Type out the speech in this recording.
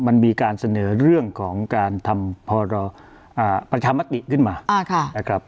มันมีการเสนอเรื่องของการทำพรประชามติขึ้นมานะครับ